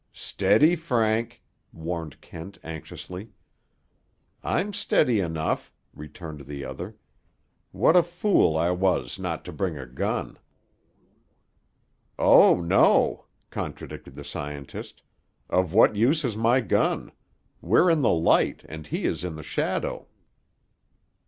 "Steady, Frank," warned Kent anxiously. "I'm steady enough," returned the other. "What a fool I was not to bring a gun." "Oh, no," contradicted the scientist. "Of what use is my gun? We're in the light, and he is in the shadow."